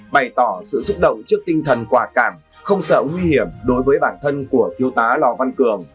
bày tỏ sự xúc động trước tinh thần quả cảm không sợ nguy hiểm đối với bản thân của thiếu tá lò văn cường